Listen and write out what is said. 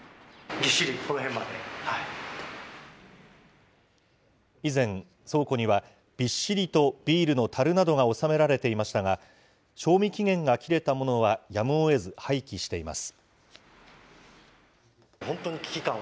びっしり、以前、倉庫にはびっしりとビールのたるなどが納められていましたが、賞味期限が切れたものはやむをえず廃棄しています。